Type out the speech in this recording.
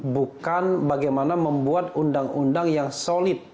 bukan bagaimana membuat undang undang yang solid